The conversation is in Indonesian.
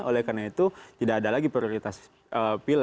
oleh karena itu tidak ada lagi prioritas pileg atau pilpres